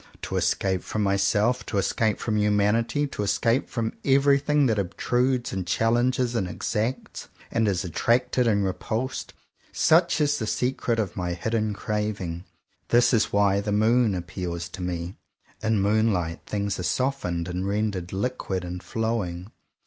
To escape from myself, to es cape from humanity, to escape from every thing that obtrudes and challenges and ex acts, and is attracted and repulsed, — such is the secret of my hidden craving. This is why the moon appeals to me. In moonlight, things are softened, and rendered liquid and flowing.